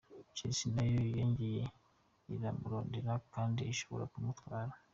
Chelsea na yo nyene iramurondera kandi ishobora kumutwara.